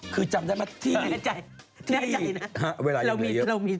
คือจำได้ไหมที่เวลายังมีเยอะ